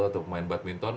atau pemain badminton